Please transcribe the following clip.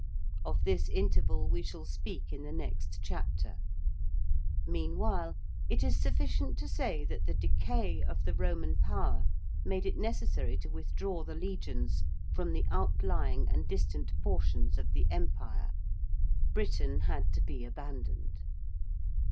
Of this interval we shall speak in the next chapter. Meanwhile it is sufficient to say that the decay of the Roman power made it necessary to withdraw the legions from the outlying and distant portions of the Empire. Britain had to be abandoned.